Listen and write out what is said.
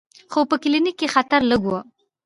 خو په کلینیک کې خطر لږ و.